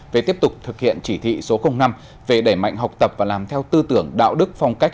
về tiếp tục thực hiện chỉ thị số năm về đẩy mạnh học tập và làm theo tư tưởng đạo đức phong cách